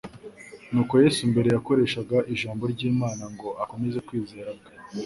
Nkuko Yesu mbere yakoreshaga ijambo ry'Imana ngo akomeze kwizera kwe,